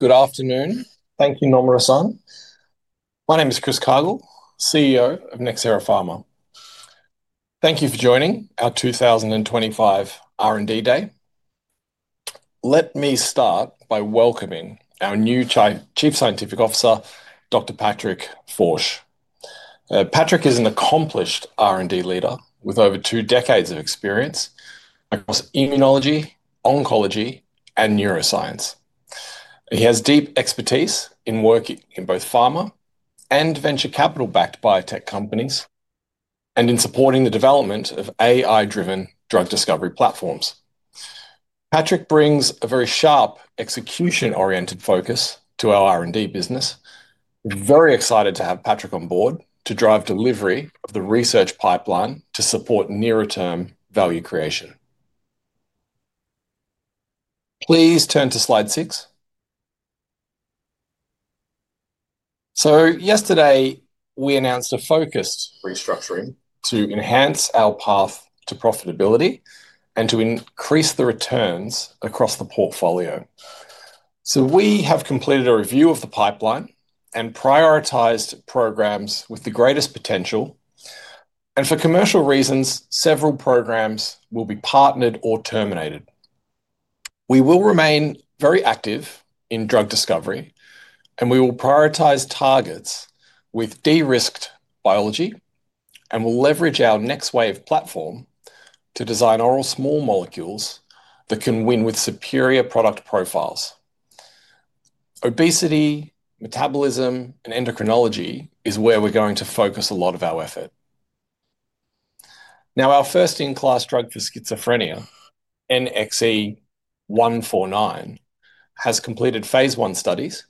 Good afternoon. Thank you, Nomura-san. My name is Chris Cargill, CEO of Nxera Pharma. Thank you for joining our 2025 R&D Day. Let me start by welcoming our new Chief Scientific Officer, Dr. Patrik Foerch. Patrik is an accomplished R&D leader with over two decades of experience across immunology, oncology, and neuroscience. He has deep expertise in working in both pharma and venture capital-backed biotech companies, and in supporting the development of AI-driven drug discovery platforms. Patrik brings a very sharp, execution-oriented focus to our R&D business. We're very excited to have Patrik on board to drive delivery of the research pipeline to support nearer-term value creation. Please turn to slide six. Yesterday, we announced a focused restructuring to enhance our path to profitability and to increase the returns across the portfolio. We have completed a review of the pipeline and prioritized programs with the greatest potential. For commercial reasons, several programs will be partnered or terminated. We will remain very active in drug discovery, and we will prioritize targets with de-risked biology, and we'll leverage our NxWave platform to design oral small molecules that can win with superior product profiles. Obesity, metabolism, and endocrinology is where we're going to focus a lot of our effort. Our first-in-class drug for schizophrenia, NXE'149 has completed phase I studies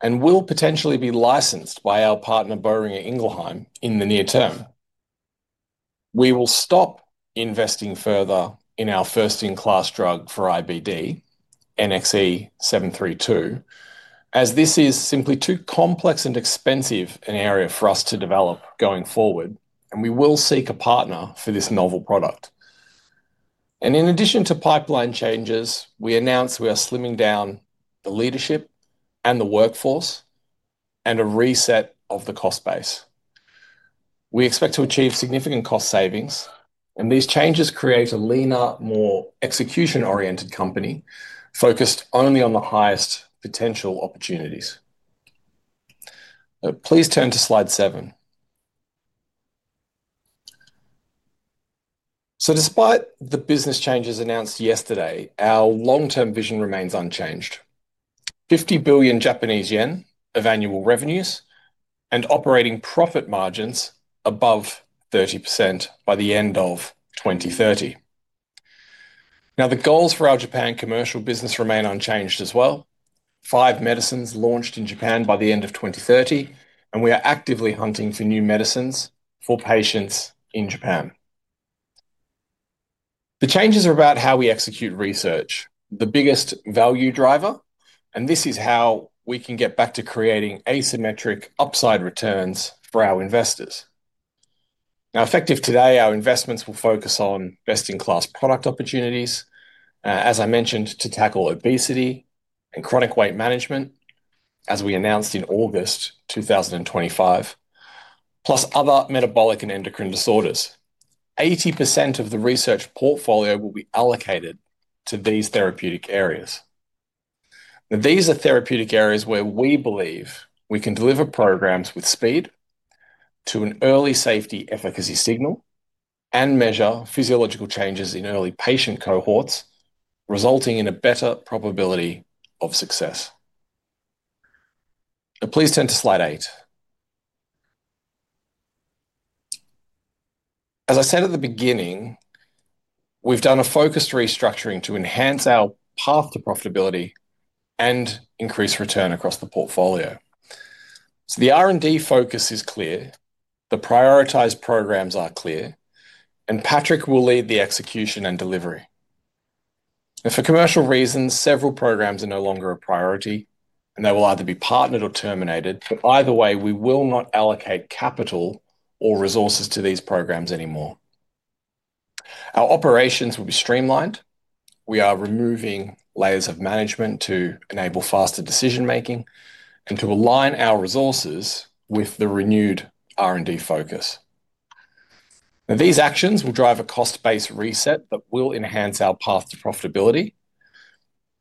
and will potentially be licensed by our partner, Boehringer Ingelheim, in the near term. We will stop investing further in our first-in-class drug for IBD, NXE'732, as this is simply too complex and expensive an area for us to develop going forward, and we will seek a partner for this novel product. In addition to pipeline changes, we announced we are slimming down the leadership and the workforce and a reset of the cost base. We expect to achieve significant cost savings, and these changes create a leaner, more execution-oriented company focused only on the highest potential opportunities. Please turn to slide seven. Despite the business changes announced yesterday, our long-term vision remains unchanged: 50 billion Japanese yen of annual revenues and operating profit margins above 30% by the end of 2030. Now, the goals for our Japan commercial business remain unchanged as well: five medicines launched in Japan by the end of 2030, and we are actively hunting for new medicines for patients in Japan. The changes are about how we execute research, the biggest value driver, and this is how we can get back to creating asymmetric upside returns for our investors. Now, effective today, our investments will focus on best-in-class product opportunities, as I mentioned, to tackle obesity and chronic weight management, as we announced in August 2025, plus other metabolic and endocrine disorders. 80% of the research portfolio will be allocated to these therapeutic areas. These are therapeutic areas where we believe we can deliver programs with speed to an early safety efficacy signal and measure physiological changes in early patient cohorts, resulting in a better probability of success. Please turn to slide eight. As I said at the beginning, we have done a focused restructuring to enhance our path to profitability and increase return across the portfolio. The R&D focus is clear, the prioritized programs are clear, and Patrik will lead the execution and delivery. Now, for commercial reasons, several programs are no longer a priority, and they will either be partnered or terminated. Either way, we will not allocate capital or resources to these programs anymore. Our operations will be streamlined. We are removing layers of management to enable faster decision-making and to align our resources with the renewed R&D focus. These actions will drive a cost-based reset that will enhance our path to profitability.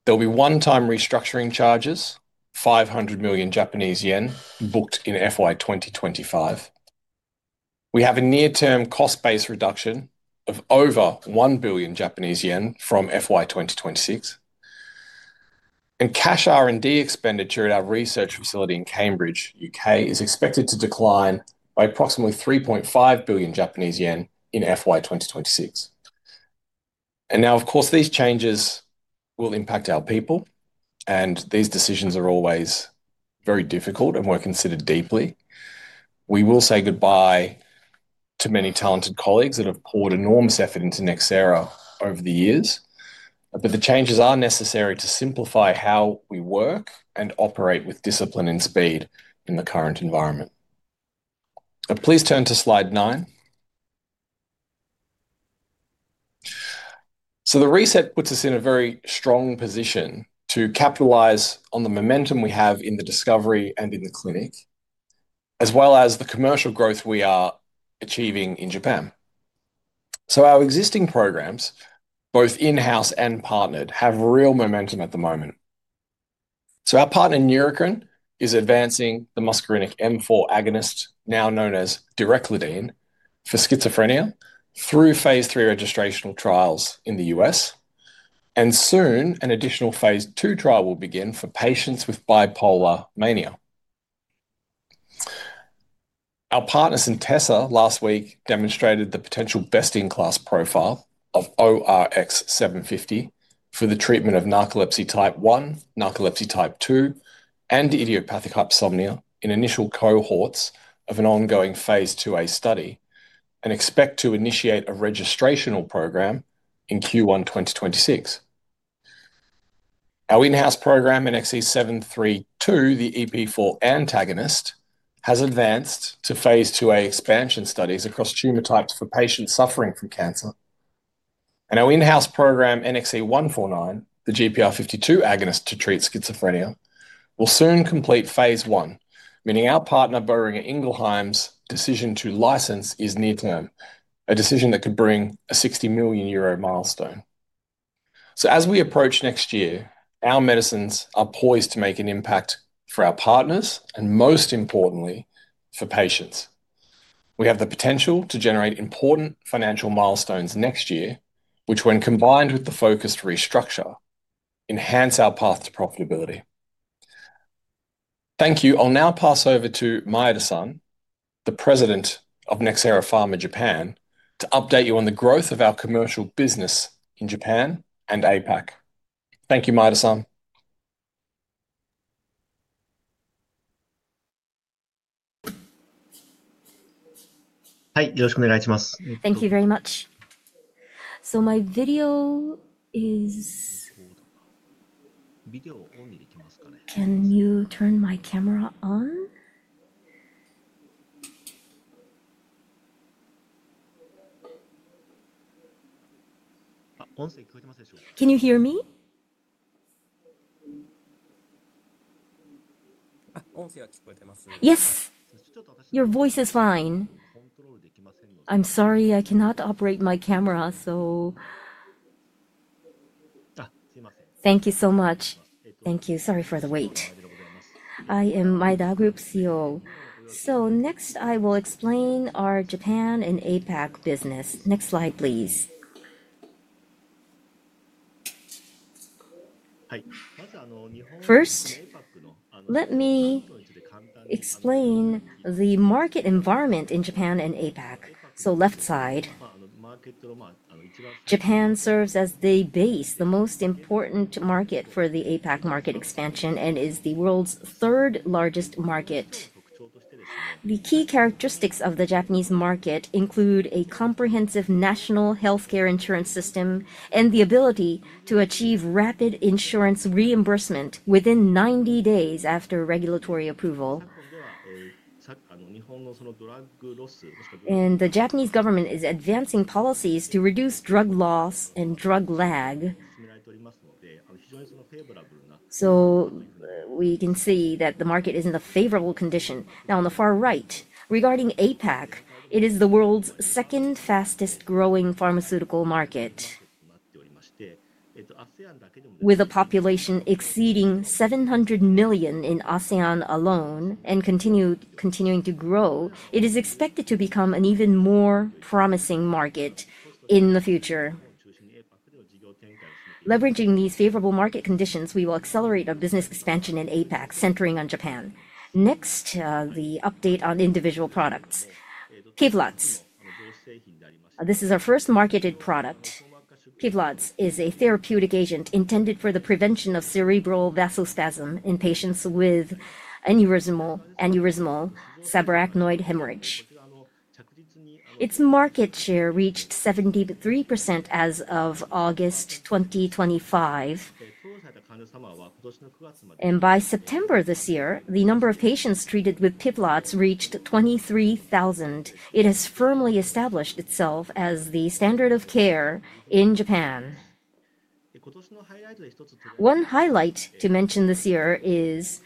There will be one-time restructuring charges, 500 million Japanese yen booked in FY 2025. We have a near-term cost-based reduction of over 1 billion Japanese yen from FY 2026. Cash R&D expenditure at our research facility in Cambridge, U.K., is expected to decline by approximately 3.5 billion Japanese yen in FY 2026. Of course, these changes will impact our people, and these decisions are always very difficult and were considered deeply. We will say goodbye to many talented colleagues that have poured enormous effort into Nxera over the years, but the changes are necessary to simplify how we work and operate with discipline and speed in the current environment. Now, please turn to slide nine. The reset puts us in a very strong position to capitalize on the momentum we have in discovery and in the clinic, as well as the commercial growth we are achieving in Japan. Our existing programs, both in-house and partnered, have real momentum at the moment. Our partner, Neurocrine, is advancing the muscarinic M4 agonist, now known as Direclidine, for schizophrenia through phase III registrational trials in the U.S., and soon an additional phase II trial will begin for patients with bipolar mania. Our partners in Centessa last week demonstrated the potential best-in-class profile of ORX750 for the treatment of narcolepsy type one, narcolepsy type two, and idiopathic hypersomnia in initial cohorts of an ongoing phase II A study and expect to initiate a registrational program in Q1 2026. Our in-house program, NXE'732, the EP4 antagonist, has advanced to phase II A expansion studies across tumor types for patients suffering from cancer. Our in-house program, NXE'149, the GPR52 agonist to treat schizophrenia, will soon complete phase I, meaning our partner, Boehringer Ingelheim's decision to license is near term, a decision that could bring a 60 million euro milestone. As we approach next year, our medicines are poised to make an impact for our partners and, most importantly, for patients. We have the potential to generate important financial milestones next year, which, when combined with the focused restructure, enhance our path to profitability. Thank you. I'll now pass over to Maeda-san, the President of Nxera Pharma Japan, to update you on the growth of our commercial business in Japan and APAC. Thank you, Maeda-san. はい、よろしくお願いします。Thank you very much. So my video is... これ、ビデオをオンにできますかね。Can you turn my camera on? あ、音声聞こえてますでしょうか。Can you hear me? あ、音声は聞こえてます。Yes. Your voice is fine. あ、コントロールできませんので。I'm sorry, I cannot operate my camera, so... あ、すいません。Thank you so much. Thank you. Sorry for the wait. I am Maeda, Group CEO. Next, I will explain our Japan and APAC business. Next slide, please. はい。First, let me explain the market environment in Japan and APAC. On the left side, Japan serves as the base, the most important market for the APAC market expansion, and is the world's third largest market. The key characteristics of the Japanese market include a comprehensive national healthcare insurance system and the ability to achieve rapid insurance reimbursement within 90 days after regulatory approval. The Japanese government is advancing policies to reduce drug loss and drug lag. We can see that the market is in a favorable condition. Now, on the far right, regarding APAC, it is the world's second fastest growing pharmaceutical market, with a population exceeding 700 million in ASEAN alone and continuing to grow. It is expected to become an even more promising market in the future. Leveraging these favorable market conditions, we will accelerate our business expansion in APAC, centering on Japan. Next, the update on individual products. PIVLAZ, this is our first marketed product. PIVLAZ is a therapeutic agent intended for the prevention of cerebral vasospasm in patients with aneurysmal subarachnoid hemorrhage. Its market share reached 73% as of August 2025, and by September this year, the number of patients treated with PIVLAZ reached 23,000. It has firmly established itself as the standard of care in Japan. One highlight to mention this year is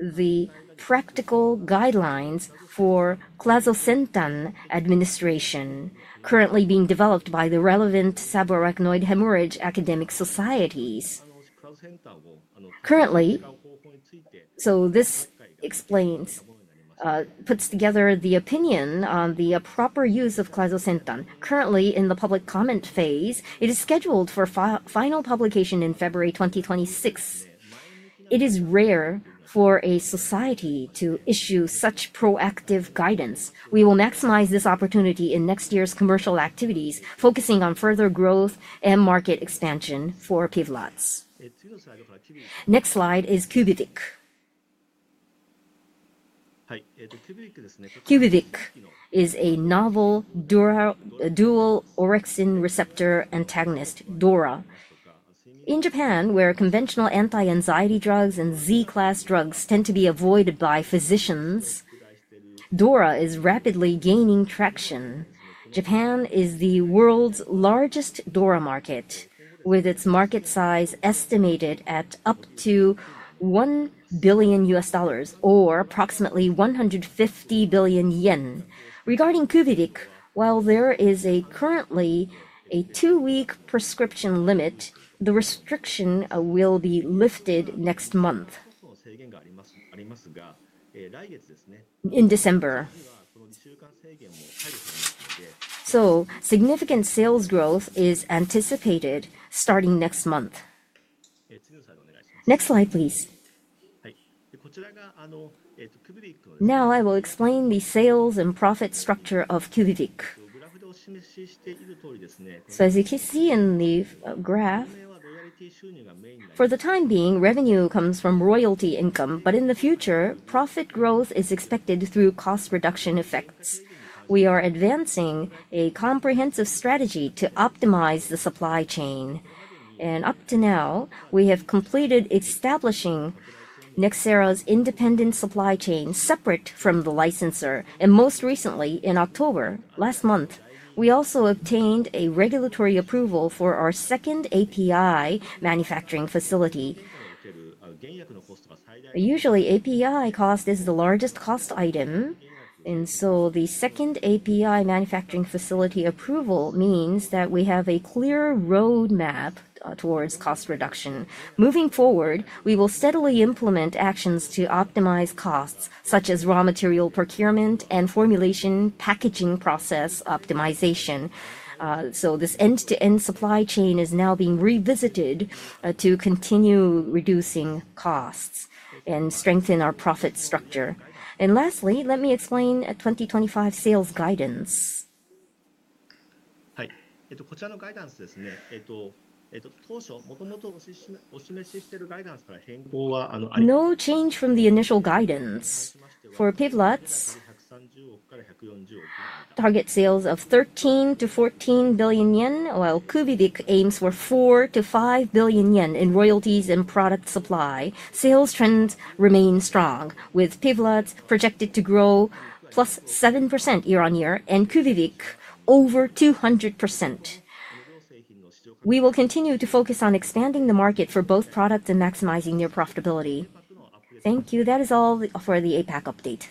the practical guidelines for clazosentan administration, currently being developed by the relevant subarachnoid hemorrhage academic societies. Currently, this explains, puts together the opinion on the proper use of clazosentan. Currently in the public comment phase, it is scheduled for final publication in February 2026. It is rare for a society to issue such proactive guidance. We will maximize this opportunity in next year's commercial activities, focusing on further growth and market expansion for PIVLAZ. Next slide is QUVIVIQ. QUVIVIC is a novel dual orexin receptor antagonist, DORA. In Japan, where conventional anti-anxiety drugs and Z-class drugs tend to be avoided by physicians, DORA is rapidly gaining traction. Japan is the world's largest DORA market, with its market size estimated at up to $1 billion or approximately 150 billion yen. Regarding QUVIVIC, while there is currently a two-week prescription limit, the restriction will be lifted next month. Significant sales growth is anticipated starting next month. Next slide, please. Now, I will explain the sales and profit structure of QUVIVIC. As you can see in the graph, for the time being, revenue comes from royalty income, but in the future, profit growth is expected through cost reduction effects. We are advancing a comprehensive strategy to optimize the supply chain, and up to now, we have completed establishing Nxera's independent supply chain separate from the licensor. Most recently, in October last month, we also obtained a regulatory approval for our second API manufacturing facility. Usually, API cost is the largest cost item, and the second API manufacturing facility approval means that we have a clear roadmap towards cost reduction. Moving forward, we will steadily implement actions to optimize costs, such as raw material procurement and formulation packaging process optimization. This end-to-end supply chain is now being revisited to continue reducing costs and strengthen our profit structure. Lastly, let me explain 2025 sales guidance. はい。こちらのガイダンスですね、当初、もともとお示ししているガイダンスから変更はありません。No change from the initial guidance. For PIVLAZ, target sales of 13 to 14 billion, while QUVIVIC aims for 4 to 5 billion in royalties and product supply. Sales trends remain strong, with PIVLAZ projected to grow +7% year-on-year and QUVIVIC over 200%. We will continue to focus on expanding the market for both products and maximizing their profitability. Thank you. That is all for the APAC update.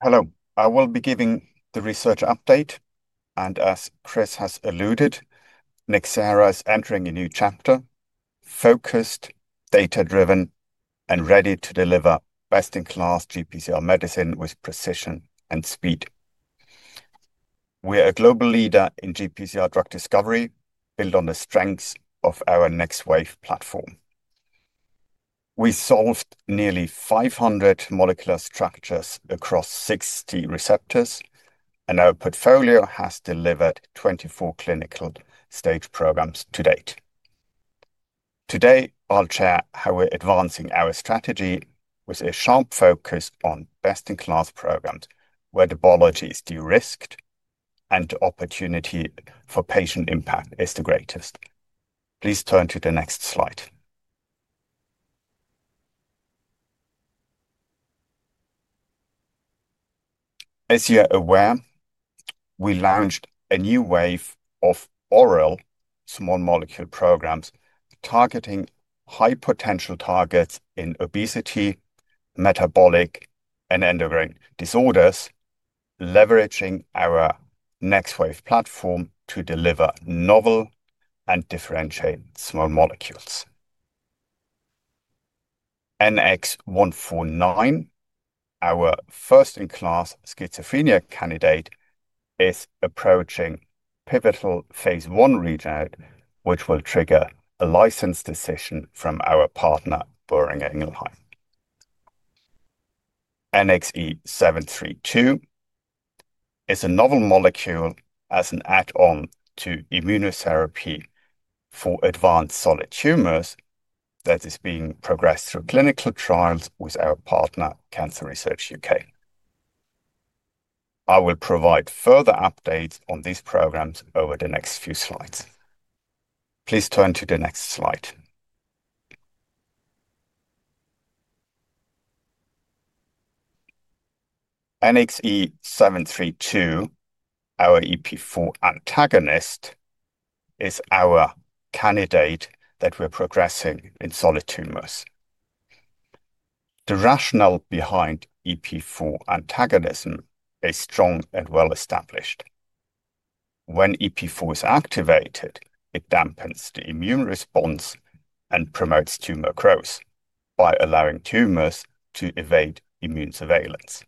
Hello. I will be giving the research update, and as Chris has alluded, Nxera is entering a new chapter, focused, data-driven, and ready to deliver best-in-class GPCR medicine with precision and speed. We are a global leader in GPCR drug discovery, built on the strengths of our NxWave platform. We solved nearly 500 molecular structures across 60 receptors, and our portfolio has delivered 24 clinical stage programs to date. Today, I'll share how we're advancing our strategy with a sharp focus on best-in-class programs where the biology is de-risked and the opportunity for patient impact is the greatest. Please turn to the next slide. As you're aware, we launched a new wave of oral small molecule programs targeting high potential targets in obesity, metabolic, and endocrine disorders, leveraging our NxWave platform to deliver novel and differentiate small molecules. 149, our first-in-class schizophrenia candidate, is approaching pivotal phase I readout, which will trigger a license decision from our partner, Boehringer Ingelheim. NXE'732 is a novel molecule as an add-on to immunotherapy for advanced solid tumors that is being progressed through clinical trials with our partner, Cancer Research UK. I will provide further updates on these programs over the next few slides. Please turn to the next slide. NXE'732, our EP4 antagonist, is our candidate that we're progressing in solid tumors. The rationale behind EP4 antagonism is strong and well established. When EP4 is activated, it dampens the immune response and promotes tumor growth by allowing tumors to evade immune surveillance.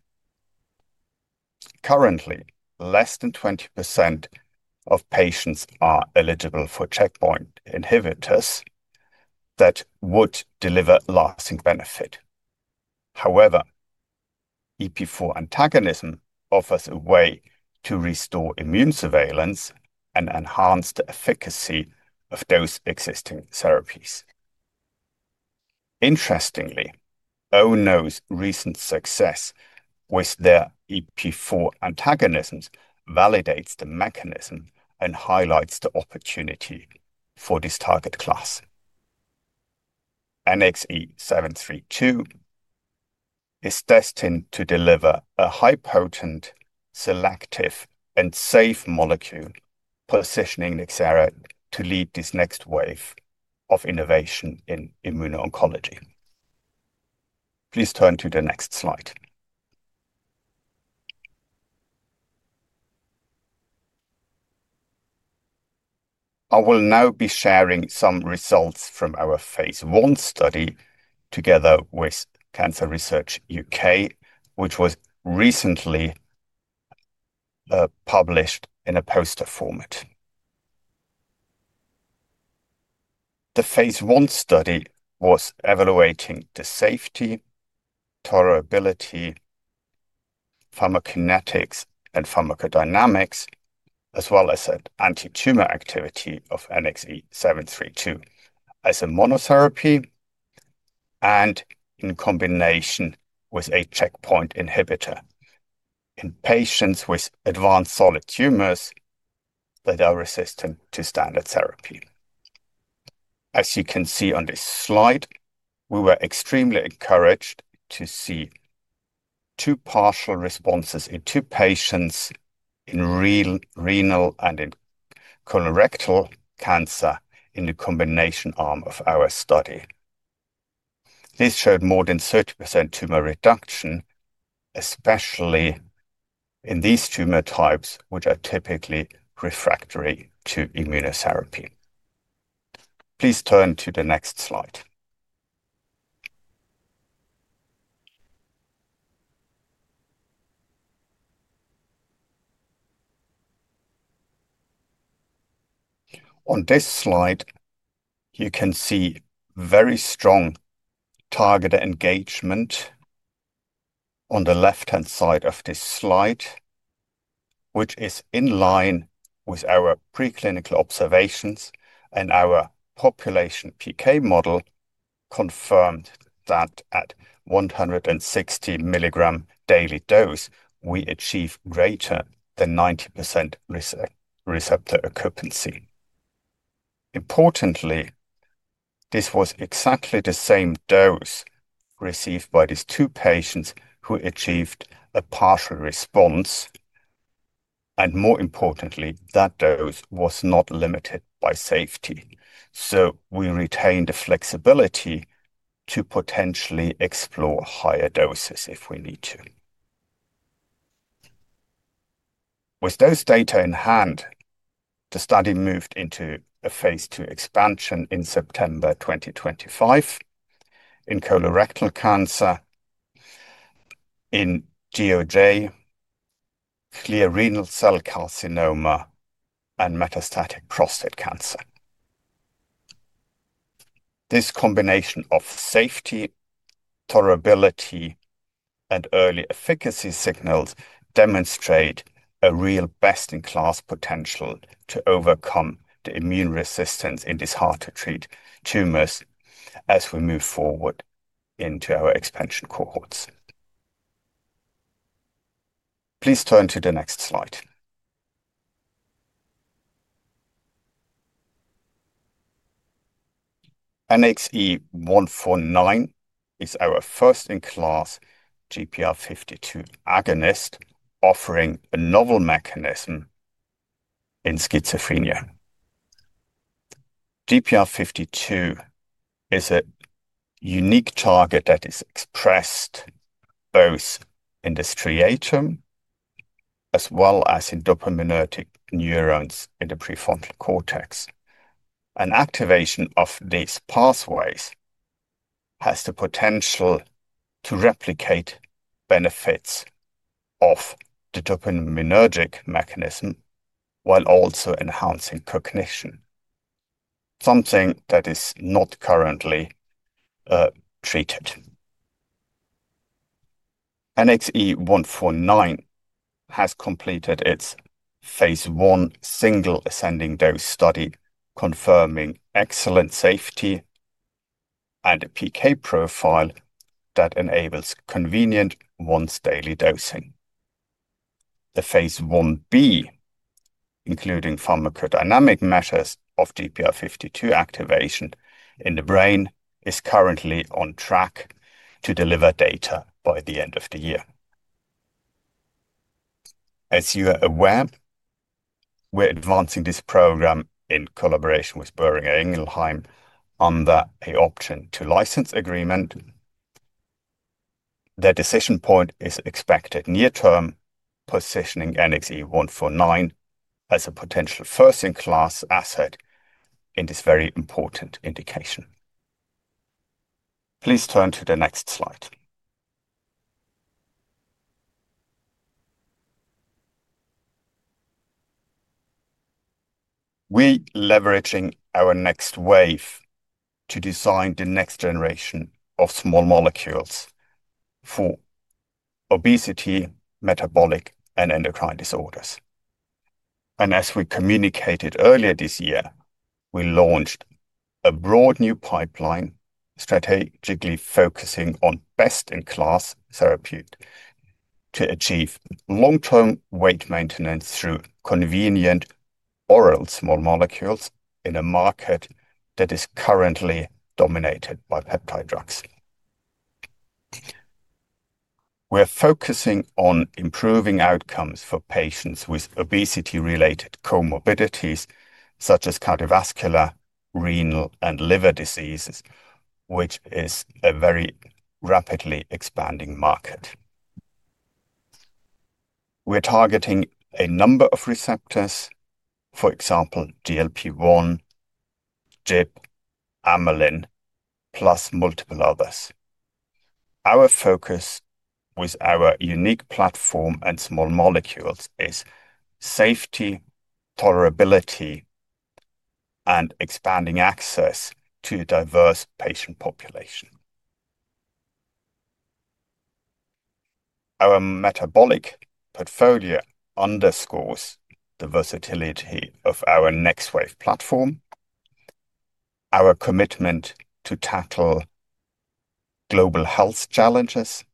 Currently, less than 20% of patients are eligible for checkpoint inhibitors that would deliver lasting benefit. However, EP4 antagonism offers a way to restore immune surveillance and enhance the efficacy of those existing therapies. Interestingly, ONO's recent success with their EP4 antagonists validates the mechanism and highlights the opportunity for this target class. NXE'732 is destined to deliver a high-potent, selective, and safe molecule, positioning Nxera to lead this next wave of innovation in immuno-oncology. Please turn to the next slide. I will now be sharing some results from our phase I study together with Cancer Research UK, which was recently published in a poster format. The phase I study was evaluating the safety, tolerability, pharmacokinetics, and pharmacodynamics, as well as anti-tumor activity of NXE'732 as a monotherapy and in combination with a checkpoint inhibitor in patients with advanced solid tumors that are resistant to standard therapy. As you can see on this slide, we were extremely encouraged to see two partial responses in two patients in renal and in colorectal cancer in the combination arm of our study. This showed more than 30% tumor reduction, especially in these tumor types, which are typically refractory to immunotherapy. Please turn to the next slide. On this slide, you can see very strong target engagement on the left-hand side of this slide, which is in line with our preclinical observations, and our population PK model confirmed that at 160 mg daily dose, we achieve greater than 90% receptor occupancy. Importantly, this was exactly the same dose received by these two patients who achieved a partial response, and more importantly, that dose was not limited by safety. We retained the flexibility to potentially explore higher doses if we need to. With those data in hand, the study moved into a phase II expansion in September 2025 in colorectal cancer, in GOJ, clear renal cell carcinoma, and metastatic prostate cancer. This combination of safety, tolerability, and early efficacy signals demonstrates a real best-in-class potential to overcome the immune resistance in these hard-to-treat tumors as we move forward into our expansion cohorts. Please turn to the next slide. NXE'149 is our first-in-class GPR52 agonist offering a novel mechanism in schizophrenia. GPR52 is a unique target that is expressed both in the striatum as well as in dopaminergic neurons in the prefrontal cortex. An activation of these pathways has the potential to replicate benefits of the dopaminergic mechanism while also enhancing cognition, something that is not currently treated. NXE'149 has completed its phase I single ascending dose study, confirming excellent safety and a PK profile that enables convenient once-daily dosing. The phase I B, including pharmacodynamic measures of GPR52 activation in the brain, is currently on track to deliver data by the end of the year. As you are aware, we're advancing this program in collaboration with Boehringer Ingelheim under an option to license agreement. The decision point is expected near-term, positioning NXE'149 as a potential first-in-class asset in this very important indication. Please turn to the next slide. We are leveraging our NxWave platform to design the next generation of small molecules for obesity, metabolic, and endocrine disorders. As we communicated earlier this year, we launched a broad new pipeline strategically focusing on best-in-class therapeutics to achieve long-term weight maintenance through convenient oral small molecules in a market that is currently dominated by peptide drugs. We are focusing on improving outcomes for patients with obesity-related comorbidities such as cardiovascular, renal, and liver diseases, which is a very rapidly expanding market. We are targeting a number of receptors, for example, GLP-1, GIP, amylin, plus multiple others. Our focus with our unique platform and small molecules is safety, tolerability, and expanding access to a diverse patient population. Our metabolic portfolio underscores the versatility of our NxWave platform, our commitment to tackle global health challenges,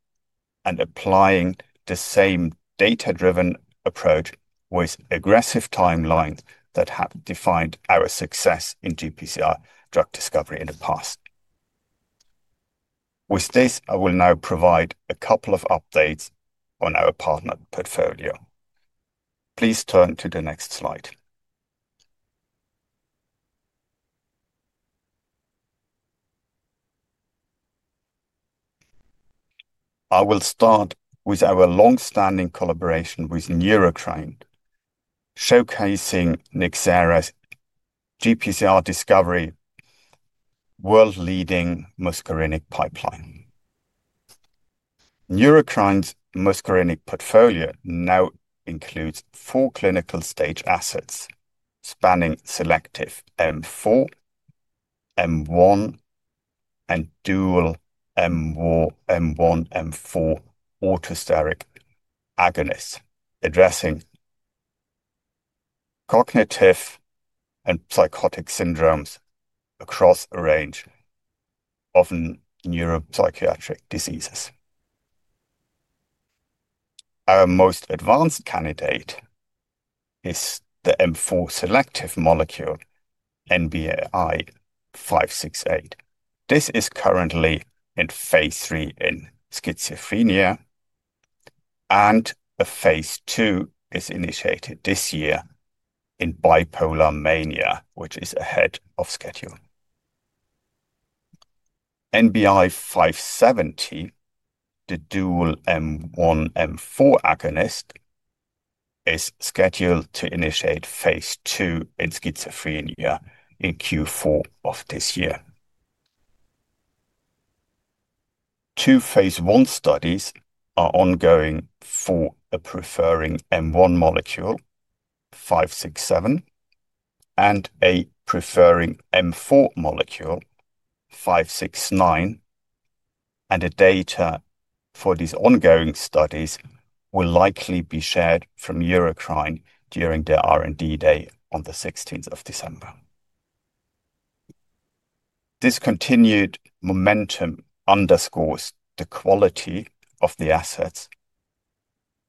and applying the same data-driven approach with aggressive timelines that have defined our success in GPCR drug discovery in the past. With this, I will now provide a couple of updates on our partner portfolio. Please turn to the next slide. I will start with our long-standing collaboration with Neurocrine, showcasing Nxera's GPCR discovery world-leading muscarinic pipeline. Neurocrine's muscarinic portfolio now includes four clinical stage assets spanning selective M4, M1, and dual M1, M4 autosteric agonists addressing cognitive and psychotic syndromes across a range of neuropsychiatric diseases. Our most advanced candidate is the M4 selective molecule, NBI-'568. This is currently in phase III in schizophrenia, and a phase II is initiated this year in bipolar mania, which is ahead of schedule. NBI-'570, the dual M1/M4 agonist, is scheduled to initiate phase II in schizophrenia in Q4 of this year. Two phase I studies are ongoing for a preferring M1 molecule, ''567, and a preferring M4 molecule, 569, and the data for these ongoing studies will likely be shared from Neurocrine Biosciences during their R&D day on the 16th of December. This continued momentum underscores the quality of the assets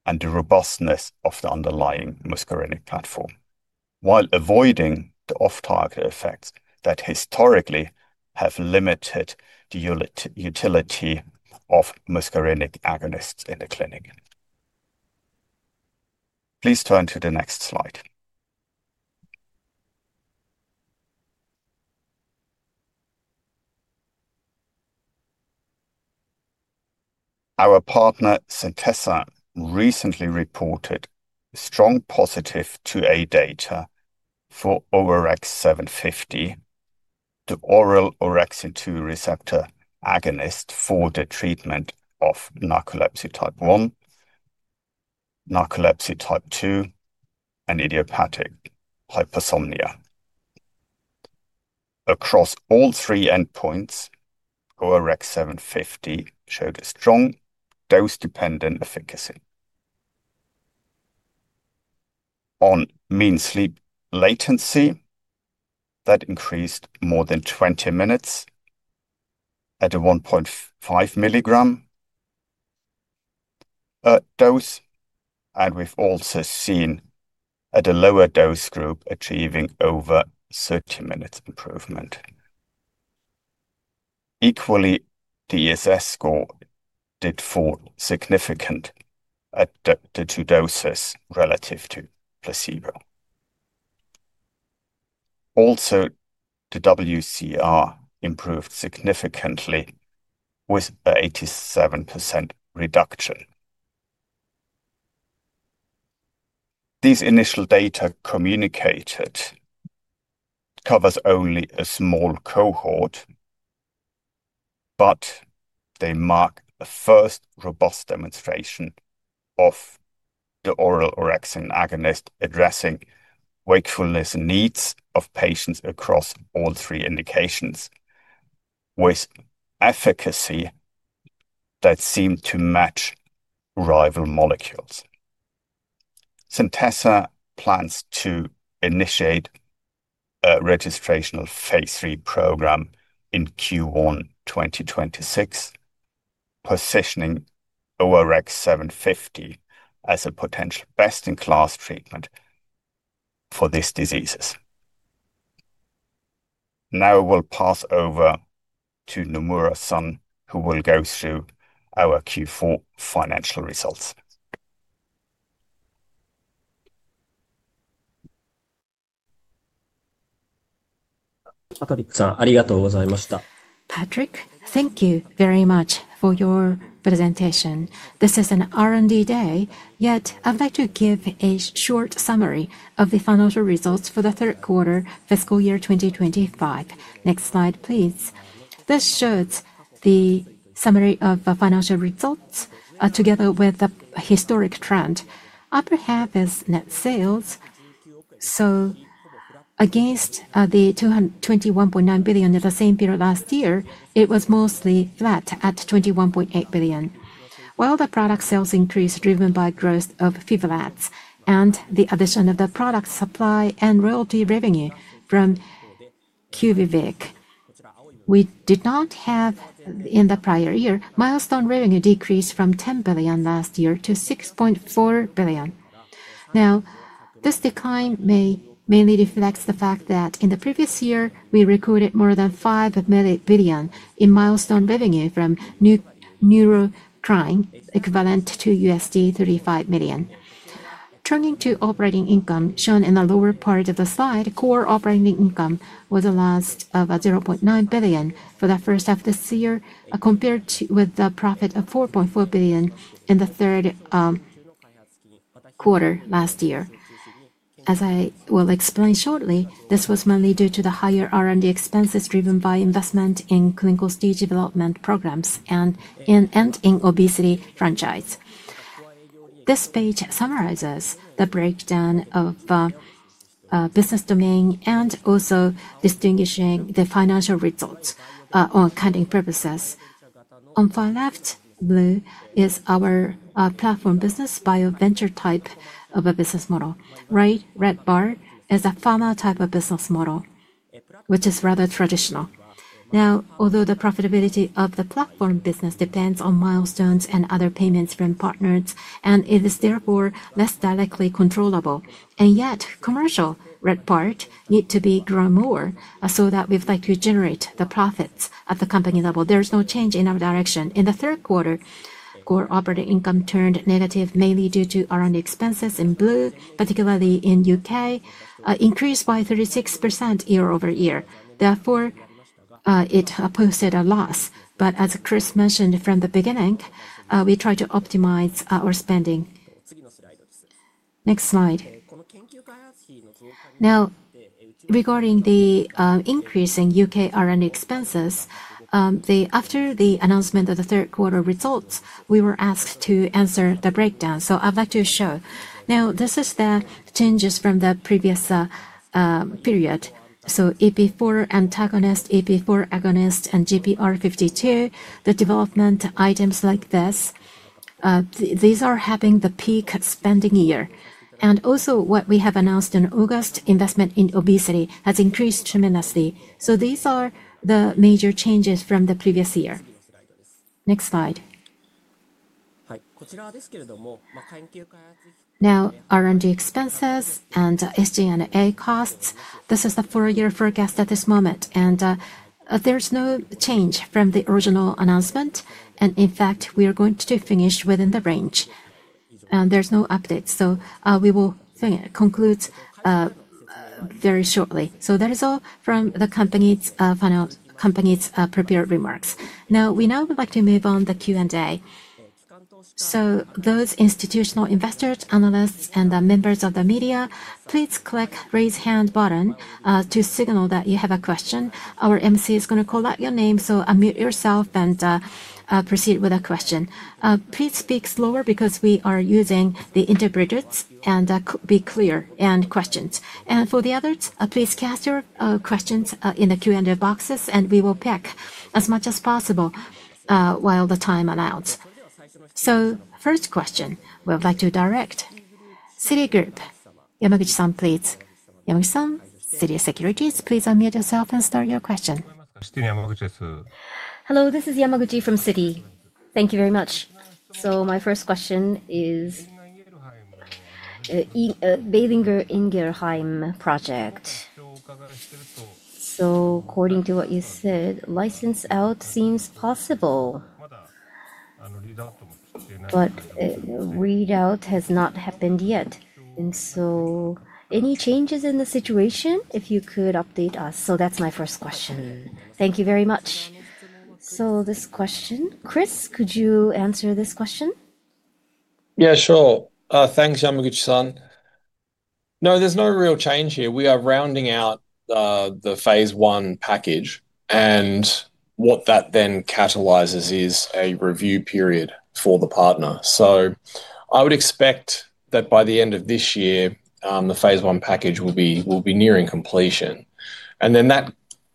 and the robustness of the underlying muscarinic platform while avoiding the off-target effects that historically have limited the utility of muscarinic agonists in the clinic. Please turn to the next slide. Our partner, Synthesa, recently reported strong positive phase II a data for ORX750, the oral orexin receptor agonist for the treatment of narcolepsy type 1, narcolepsy type 2, and idiopathic hypersomnia. Across all three endpoints, ORX750 showed a strong dose-dependent efficacy on mean sleep latency that increased more than 20 minutes at a 1.5 milligram dose, and we've also seen at a lower dose group achieving over 30 minutes improvement. Equally, the ESS score did fall significantly at the two doses relative to placebo. Also, the WCR improved significantly with an 87% reduction. These initial data communicated covers only a small cohort, but they mark a first robust demonstration of the oral orexin agonist addressing wakefulness needs of patients across all three indications with efficacy that seemed to match rival molecules. Centessa plans to initiate a registrational phase III program in Q1 2026, positioning ORX750 as a potential best-in-class treatment for these diseases. Now we'll pass over to Nomura-san, who will go through our Q4 financial results. ありがとうございました。Patrik, thank you very much for your presentation. This is an R&D day, yet I'd like to give a short summary of the financial results for the third quarter, fiscal year 2025. Next slide, please. This shows the summary of financial results together with the historic trend. Upper half is net sales. Against the 21.9 billion at the same period last year, it was mostly flat at 21.8 billion. While the product sales increased driven by growth of PIVLAZ and the addition of the product supply and royalty revenue from QUVIVIC, we did not have in the prior year, milestone revenue decreased from 10 billion last year to 6.4 billion. Now, this decline may mainly reflect the fact that in the previous year, we recorded more than 5 billion in milestone revenue from Neurocrine Biosciences, equivalent to JPY 35 million. Turning to operating income shown in the lower part of the slide, core operating income was the loss of 0.9 billion for the first half of this year compared with the profit of 4.4 billion in the third quarter last year. As I will explain shortly, this was mainly due to the higher R&D expenses driven by investment in clinical stage development programs and ending obesity franchise. This page summarizes the breakdown of business domain and also distinguishing the financial results on accounting purposes. On far left blue is our platform business bio-venture type of a business model. Right red bar is a pharma type of business model, which is rather traditional. Now, although the profitability of the platform business depends on milestones and other payments from partners, it is therefore less directly controllable. Yet, commercial red part needs to be grown more so that we'd like to generate the profits at the company level. There's no change in our direction. In the third quarter, core operating income turned negative mainly due to R&D expenses in blue, particularly in the U.K., increased by 36% year-over-year. Therefore, it posted a loss. As Chris mentioned from the beginning, we tried to optimize our spending. Next slide. Now, regarding the increase in U.K. R&D expenses, after the announcement of the third quarter results, we were asked to answer the breakdown. I'd like to show. Now, this is the changes from the previous period. EP4 antagonist, EP4 agonist, and GPR52, the development items like this, these are having the peak spending year. Also, what we have announced in August, investment in obesity has increased tremendously. These are the major changes from the previous year. Next slide. Now, R&D expenses and SG&A costs, this is the four-year forecast at this moment. There's no change from the original announcement. In fact, we are going to finish within the range. There's no update. We will conclude very shortly. That is all from the company's prepared remarks. Now, we now would like to move on to the Q&A. Those institutional investors, analysts, and members of the media, please click the raise hand button to signal that you have a question. Our MC is going to call out your name, so unmute yourself and proceed with a question. Please speak slower because we are using the interpreters and be clear in questions. For the others, please cast your questions in the Q&A boxes, and we will pick as much as possible while the time allows. First question, we would like to direct to Citigroup. Yamaguchi-san, please. Yamaguchi-san, Citigroup Securities, please unmute yourself and start your question. Hello, this is Yamaguchi from Citigroup. Thank you very much. My first question is the Boehringer Ingelheim project. According to what you said, license out seems possible, but readout has not happened yet. Are there any changes in the situation, if you could update us? That is my first question. Thank you very much. Chris, could you answer this question? Yeah, sure. Thanks, Yamaguchi-san. No, there is no real change here. We are rounding out the phase I package. What that then catalyzes is a review period for the partner. I would expect that by the end of this year, the phase I package will be nearing completion. That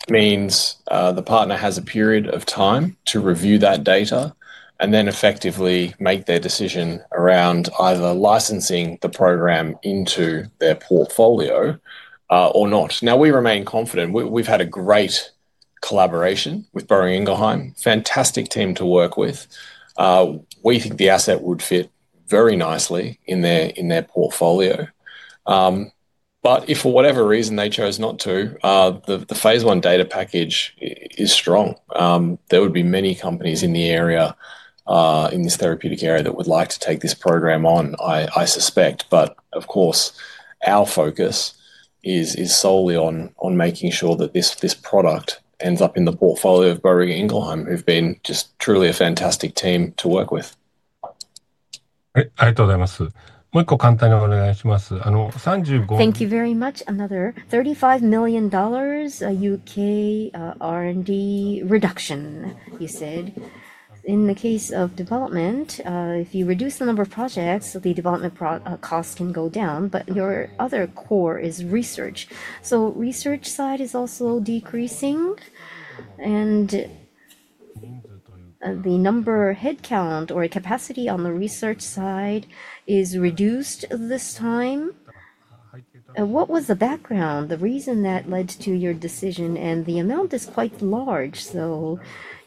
means the partner has a period of time to review that data and then effectively make their decision around either licensing the program into their portfolio or not. We remain confident. We have had a great collaboration with Boehringer Ingelheim, fantastic team to work with. We think the asset would fit very nicely in their portfolio. If for whatever reason they chose not to, the phase I data package is strong. There would be many companies in this therapeutic area that would like to take this program on, I suspect. But of course, our focus is solely on making sure that this product ends up in the portfolio of Boehringer Ingelheim, who've been just truly a fantastic team to work with. ありがとうございます。もう一個簡単にお願いします。35。Thank you very much. Another $35 million, U.K. R&D reduction, you said. In the case of development, if you reduce the number of projects, the development cost can go down. Your other core is research. Research side is also decreasing. The number headcount or capacity on the research side is reduced this time. What was the background, the reason that led to your decision? The amount is quite large.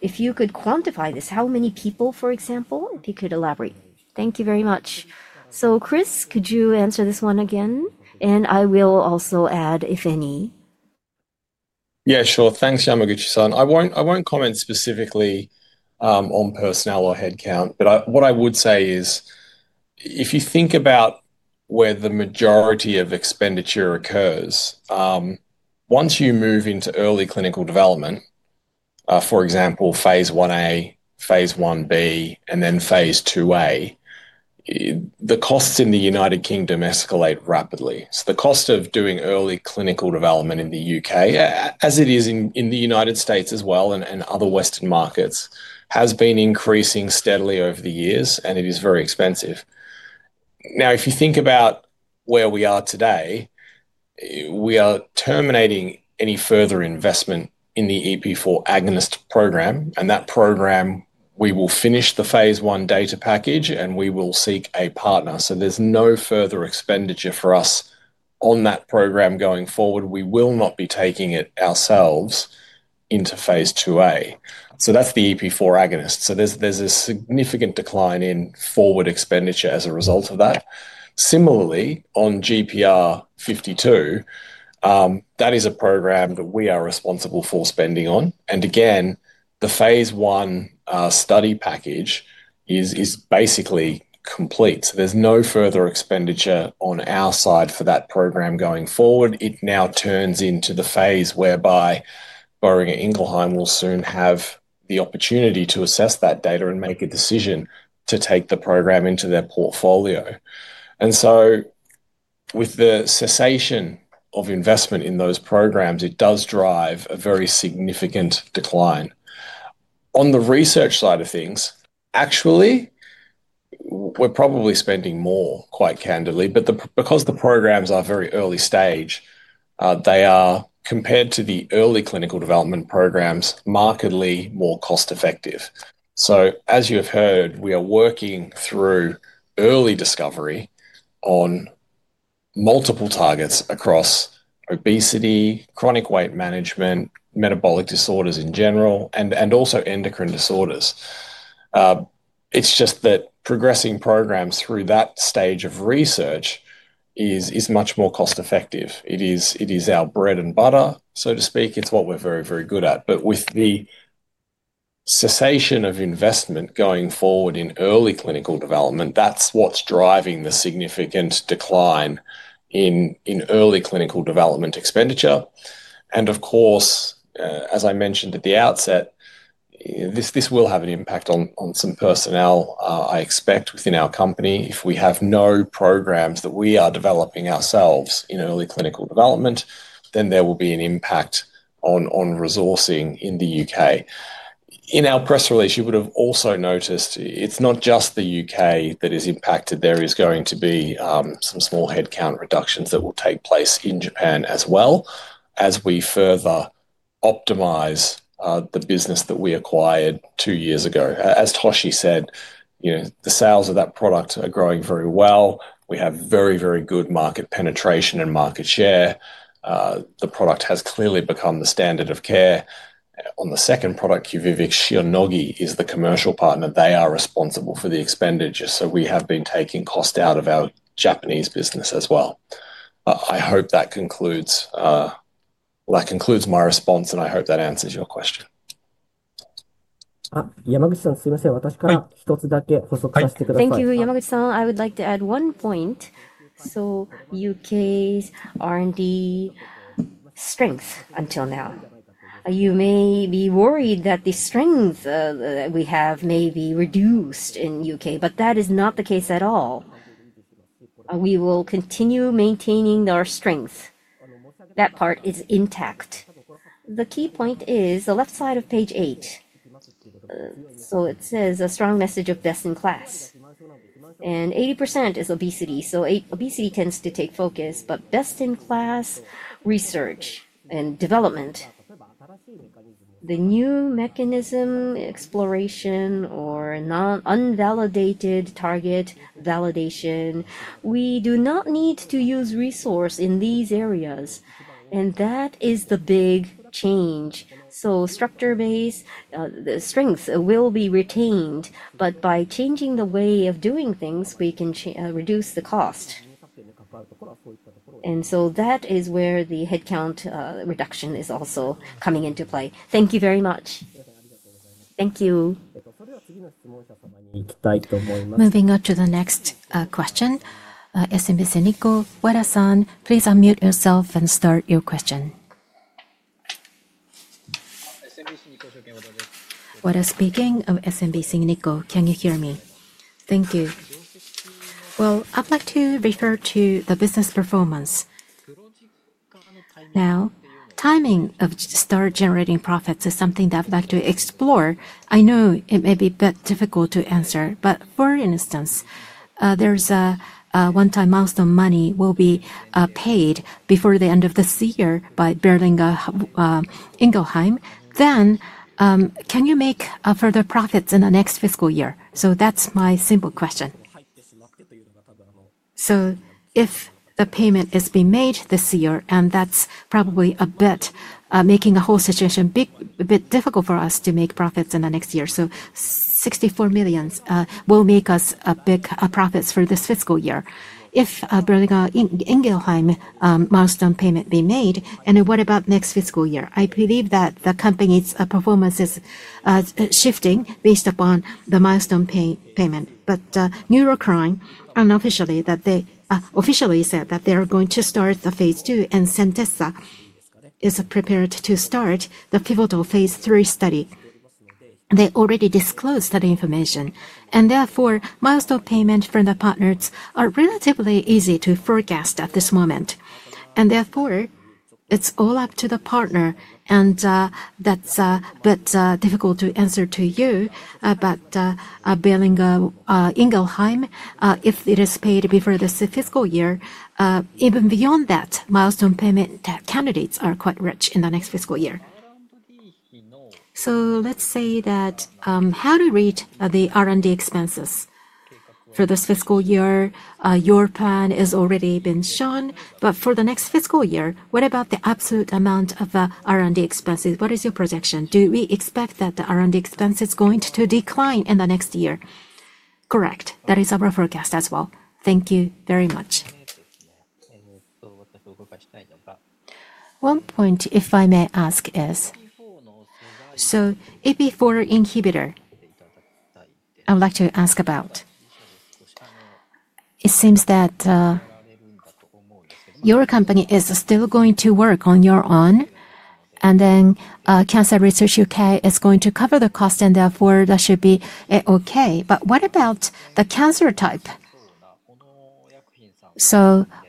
If you could quantify this, how many people, for example, if you could elaborate? Thank you very much. Chris, could you answer this one again? I will also add if any. Yeah, sure. Thanks, Yamaguchi-san. I won't comment specifically on personnel or headcount. What I would say is, if you think about where the majority of expenditure occurs, once you move into early clinical development, for example, phase IA, phase IB, and then phase IIA, the costs in the U.K. escalate rapidly. The cost of doing early clinical development in the U.K., as it is in the United States as well and other Western markets, has been increasing steadily over the years, and it is very expensive. If you think about where we are today, we are terminating any further investment in the EP4 agonist program. That program, we will finish the phase I data package, and we will seek a partner. There is no further expenditure for us on that program going forward. We will not be taking it ourselves into phase IIA. That is the EP4 agonist. There is a significant decline in forward expenditure as a result of that. Similarly, on GPR52, that is a program that we are responsible for spending on. Again, the phase I study package is basically complete. There is no further expenditure on our side for that program going forward. It now turns into the phase whereby Boehringer Ingelheim will soon have the opportunity to assess that data and make a decision to take the program into their portfolio. With the cessation of investment in those programs, it does drive a very significant decline. On the research side of things, actually, we are probably spending more, quite candidly. Because the programs are very early stage, they are, compared to the early clinical development programs, markedly more cost-effective. As you have heard, we are working through early discovery on multiple targets across obesity, chronic weight management, metabolic disorders in general, and also endocrine disorders. It's just that progressing programs through that stage of research is much more cost-effective. It is our bread and butter, so to speak. It's what we're very, very good at. With the cessation of investment going forward in early clinical development, that's what's driving the significant decline in early clinical development expenditure. Of course, as I mentioned at the outset, this will have an impact on some personnel, I expect, within our company. If we have no programs that we are developing ourselves in early clinical development, then there will be an impact on resourcing in the U.K. In our press release, you would have also noticed it's not just the U.K. that is impacted. There is going to be some small headcount reductions that will take place in Japan as well as we further optimize the business that we acquired two years ago. As Toshi said, the sales of that product are growing very well. We have very, very good market penetration and market share. The product has clearly become the standard of care. On the second product, QUVIVIC, Shionogi is the commercial partner. They are responsible for the expenditure. We have been taking cost out of our Japanese business as well. I hope that concludes my response, and I hope that answers your question. すいません、私から一つだけ補足させてください。Thank you, Yamaguchi-san. I would like to add one point. U.K.'s R&D strength until now. You may be worried that the strength that we have may be reduced in the U.K., but that is not the case at all. We will continue maintaining our strength. That part is intact. The key point is the left side of page eight. It says a strong message of best-in-class. And 80% is obesity. Obesity tends to take focus, but best-in-class research and development. The new mechanism exploration or unvalidated target validation. We do not need to use resource in these areas. That is the big change. Structure-based strength will be retained, but by changing the way of doing things, we can reduce the cost. That is where the headcount reduction is also coming into play. Thank you very much. Thank you. それでは次の質問者様に行きたいと思います。Moving on to the next question. SMB Singniko, Wera-san, please unmute yourself and start your question. Wera speaking of SMB Singniko. Can you hear me? Thank you. I'd like to refer to the business performance. Now, timing of start generating profits is something that I'd like to explore. I know it may be a bit difficult to answer, but for instance, there's a one-time milestone money will be paid before the end of this year by Boehringer Ingelheim. Can you make further profits in the next fiscal year? That's my simple question. If the payment is being made this year, and that's probably a bit making the whole situation a bit difficult for us to make profits in the next year, 64 million will make us big profits for this fiscal year. If Boehringer Ingelheim milestone payment be made, what about next fiscal year? I believe that the company's performance is shifting based upon the milestone payment. New York Crime, unofficially, said that they are going to start the phase II, and Centessa is prepared to start the pivotal phase III study. They already disclosed that information. Therefore, milestone payment from the partners are relatively easy to forecast at this moment. Therefore, it's all up to the partner. That's a bit difficult to answer to you. Boehringer Ingelheim, if it is paid before this fiscal year, even beyond that, milestone payment candidates are quite rich in the next fiscal year. Let's say that how do you rate the R&D expenses for this fiscal year? Your plan has already been shown. For the next fiscal year, what about the absolute amount of R&D expenses? What is your projection? Do we expect that the R&D expenses are going to decline in the next year? Correct. That is our forecast as well. Thank you very much. One point, if I may ask, is EP4 inhibitor, I would like to ask about. It seems that your company is still going to work on your own, and then Cancer Research UK is going to cover the cost, and therefore that should be okay. What about the cancer type?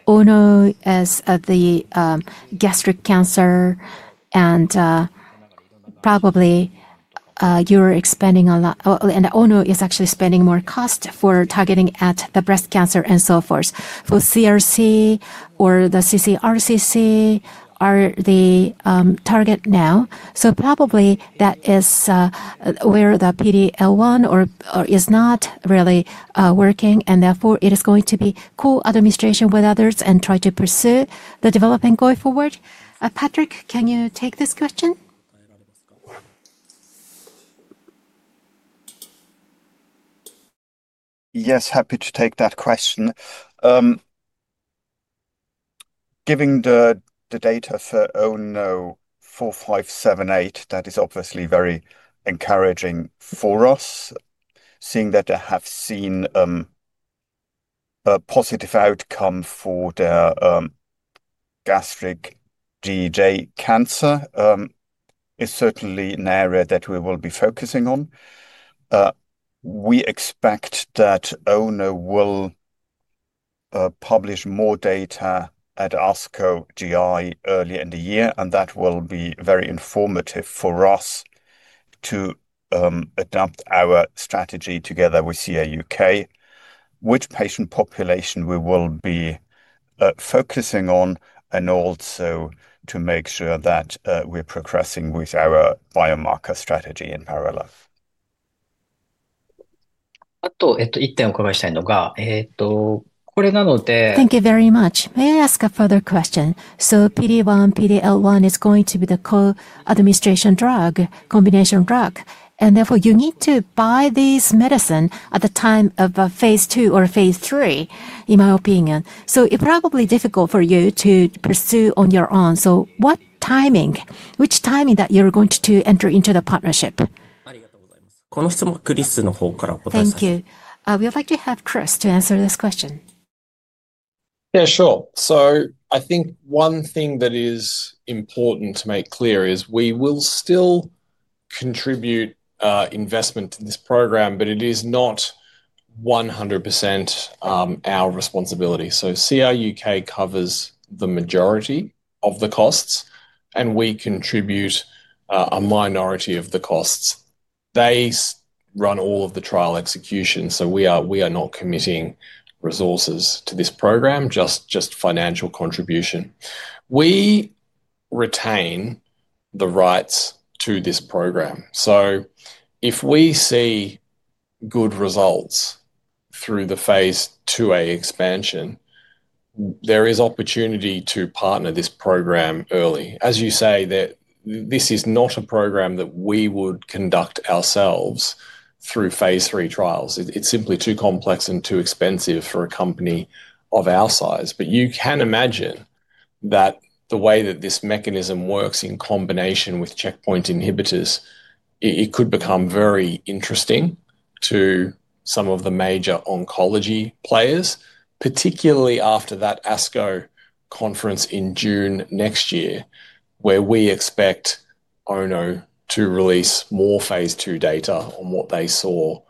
Ono is the gastric cancer, and probably you're expending a lot, and Ono is actually spending more cost for targeting at the breast cancer and so forth. CRC or the CCRCC are the target now. That is where the PD-L1 is not really working, and therefore it is going to be co-administration with others and try to pursue the development going forward. Patrik, can you take this question? Yes, happy to take that question. Giving the data for ONO-4578, that is obviously very encouraging for us, seeing that they have seen a positive outcome for their gastric GOJ cancer. It's certainly an area that we will be focusing on. We expect that Ono will publish more data at ASCO GI earlier in the year, and that will be very informative for us to adapt our strategy together with CRUK, which patient population we will be focusing on, and also to make sure that we're progressing with our biomarker strategy in parallel. あと1点お伺いしたいのが、これなので。Thank you very much. May I ask a further question? PD-L1 is going to be the co-administration drug, combination drug, and therefore you need to buy this medicine at the time of phase II or phase III, in my opinion. It's probably difficult for you to pursue on your own. What timing, which timing that you are going to enter into the partnership? この質問はクリスの方からお答えさせてください。Thank you. We would like to have Chris to answer this question. Yeah, sure. I think one thing that is important to make clear is we will still contribute investment to this program, but it is not 100% our responsibility. CRUK covers the majority of the costs, and we contribute a minority of the costs. They run all of the trial execution, so we are not committing resources to this program, just financial contribution. We retain the rights to this program. If we see good results through the phase II A expansion, there is opportunity to partner this program early. As you say, this is not a program that we would conduct ourselves through phase III trials. It is simply too complex and too expensive for a company of our size. You can imagine that the way that this mechanism works in combination with checkpoint inhibitors, it could become very interesting to some of the major oncology players, particularly after that ASCO conference in June next year, where we expect Ono to release more phase II data on what they saw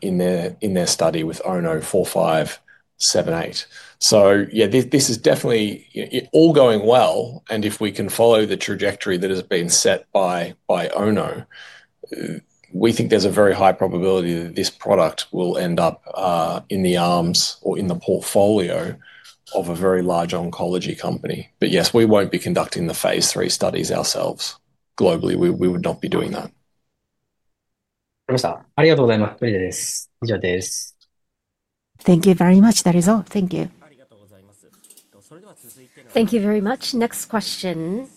in their study with ONO-4578. This is definitely all going well. If we can follow the trajectory that has been set by Ono, we think there's a very high probability that this product will end up in the arms or in the portfolio of a very large oncology company. Yes, we won't be conducting the phase III studies ourselves. Globally, we would not be doing that. ありがとうございます。以上です。Thank you very much. That is all. Thank you. ありがとうございます。それでは続いての。Thank you very much. Next question.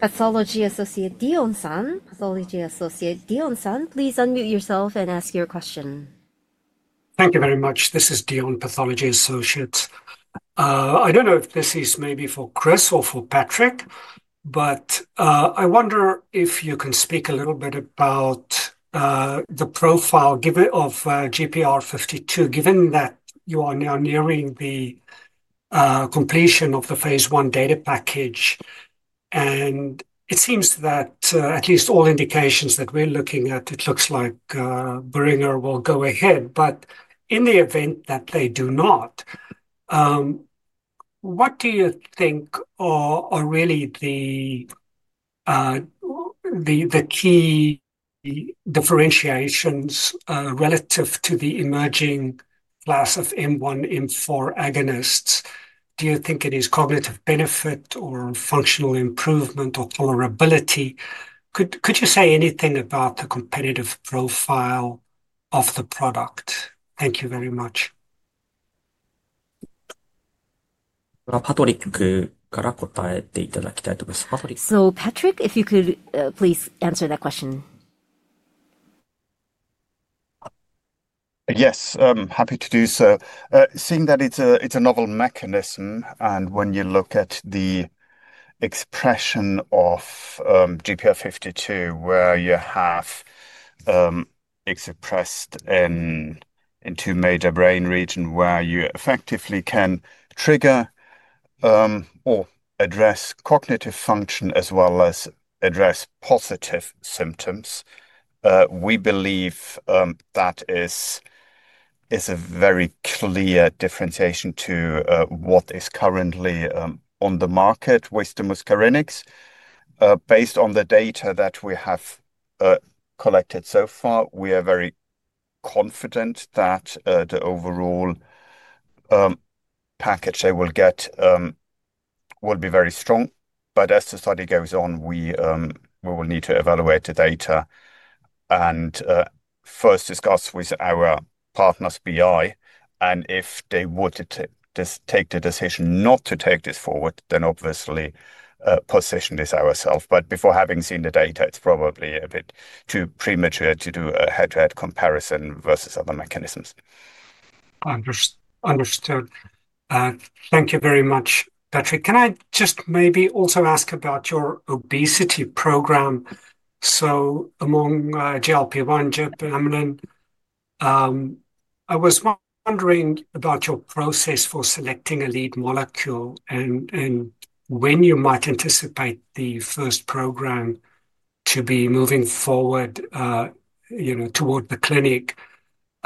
Pathology Associate Dion-san. Pathology Associate Dion-san, please unmute yourself and ask your question. Thank you very much. This is Dion, Pathology Associate. I do not know if this is maybe for Chris or for Patrik, but I wonder if you can speak a little bit about the profile of GPR52, given that you are now nearing the completion of the phase I data package. It seems that at least all indications that we are looking at, it looks like Boehringer will go ahead. In the event that they do not, what do you think are really the key differentiations relative to the emerging class of M1, M4 agonists? Do you think it is cognitive benefit or functional improvement or tolerability? Could you say anything about the competitive profile of the product? Thank you very much. パトリックから答えていただきたいと思います。Patrik, if you could please answer that question. Yes, happy to do so. Seeing that it's a novel mechanism, and when you look at the expression of GPR52, where you have expressed in two major brain regions where you effectively can trigger or address cognitive function as well as address positive symptoms, we believe that is a very clear differentiation to what is currently on the market with the Muscarinics. Based on the data that we have collected so far, we are very confident that the overall package they will get will be very strong. As the study goes on, we will need to evaluate the data and first discuss with our partners, BI. If they want to take the decision not to take this forward, then obviously position this ourselves. Before having seen the data, it's probably a bit too premature to do a head-to-head comparison versus other mechanisms. Understood. Thank you very much, Patrik. Can I just maybe also ask about your obesity program? Among GLP-1, GPR, and Amylin, I was wondering about your process for selecting a lead molecule and when you might anticipate the first program to be moving forward toward the clinic.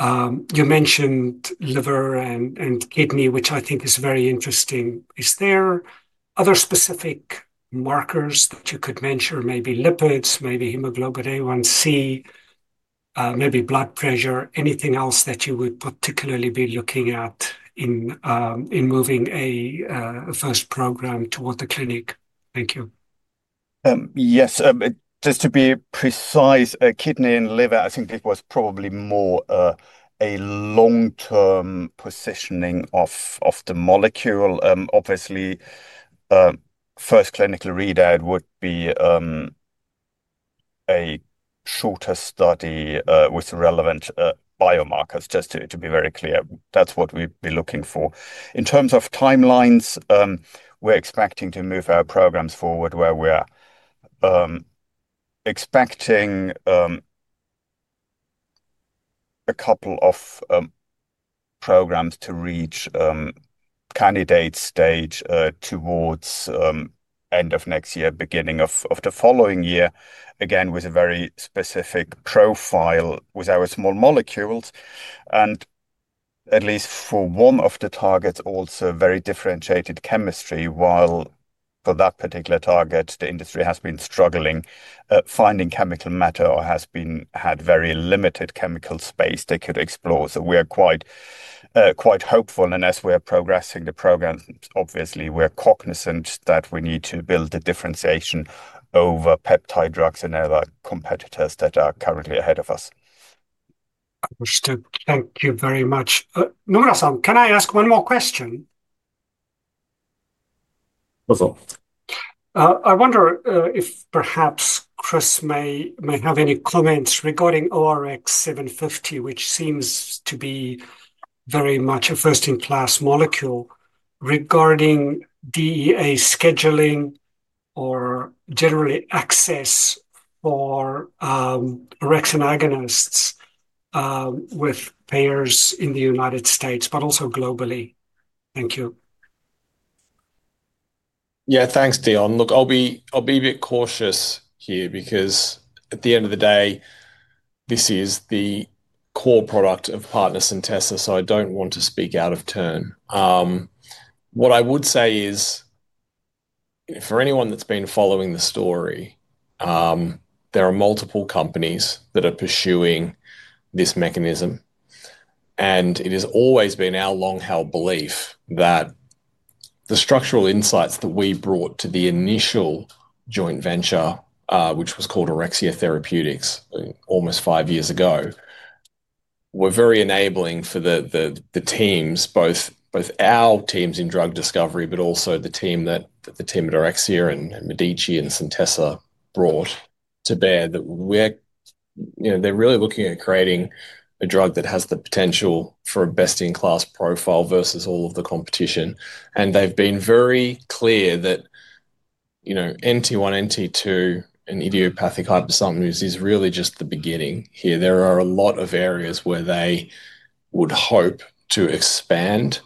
You mentioned liver and kidney, which I think is very interesting. Is there other specific markers that you could mention, maybe lipids, maybe hemoglobin A1c, maybe blood pressure, anything else that you would particularly be looking at in moving a first program toward the clinic? Thank you. Yes, just to be precise, kidney and liver, I think it was probably more a long-term positioning of the molecule. Obviously, first clinical readout would be a shorter study with relevant biomarkers, just to be very clear. That is what we would be looking for. In terms of timelines, we're expecting to move our programs forward where we're expecting a couple of programs to reach candidate stage towards end of next year, beginning of the following year, again with a very specific profile with our small molecules. At least for one of the targets, also very differentiated chemistry, while for that particular target, the industry has been struggling finding chemical matter or has had very limited chemical space they could explore. We are quite hopeful. As we are progressing the program, obviously, we are cognizant that we need to build the differentiation over peptide drugs and other competitors that are currently ahead of us. Understood. Thank you very much. Nimrasan, can I ask one more question? I wonder if perhaps Chris may have any comments regarding ORX750, which seems to be very much a first-in-class molecule regarding DEA scheduling or generally access for arachnogenists with payers in the United States, but also globally. Thank you. Yeah, thanks, Dion. Look, I'll be a bit cautious here because at the end of the day, this is the core product of partners in Centessa, so I don't want to speak out of turn. What I would say is, for anyone that's been following the story, there are multiple companies that are pursuing this mechanism. It has always been our long-held belief that the structural insights that we brought to the initial joint venture, which was called Orexia Therapeutics almost five years ago, were very enabling for the teams, both our teams in drug discovery, but also the team at Orexia and Medici and Centessa brought to bear that they're really looking at creating a drug that has the potential for a best-in-class profile versus all of the competition. They have been very clear that NT1, NT2, and idiopathic hypersomnolence is really just the beginning here. There are a lot of areas where they would hope to expand